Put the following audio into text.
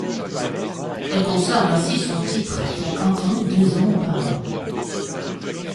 Elle conserve ainsi son titre acquis à Canton deux ans auparavant.